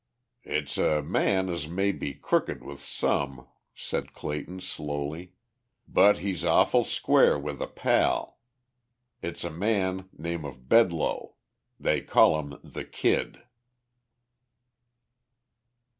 "It's a man as may be crooked with some," said Clayton slowly. "But he's awful square with a pal. It's a man name of Bedloe. They call him the Kid."